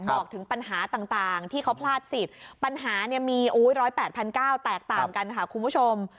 บอกถึงปัญหาต่างที่เขาพลาดสิทธิ์ปัญหาเนี่ยมี๑๐๘๙๐๐แตกต่างกันค่ะคุณผู้ชม